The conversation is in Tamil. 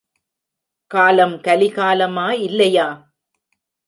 காலம் கலி காலமா இல்லையா?